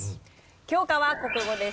教科は国語です。